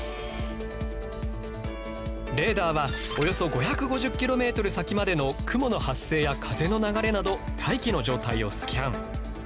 レーダーはおよそ５５０キロメートル先までの雲の発生や風の流れなど大気の状態をスキャン。